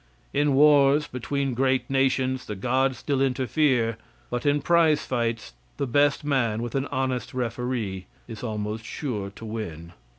In wars between great nations, the gods still interfere; but in prize fights, the best man with an honest referee, is almost sure to win.